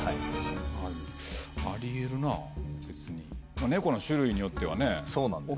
でもあり得るな別にネコの種類によってはね。そうなんですよ。